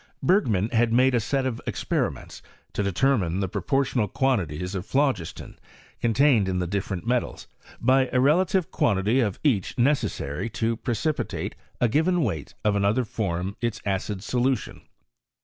Btfgnum had made a set of expenments to de tannine die proportional quantities of phlogiston contained in the di&nent metalsy bj the relative qnandty of each neceaaarj to precipitate a gpiven weight of another finom ita acid aolntion.